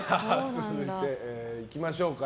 続いて、いきましょうか。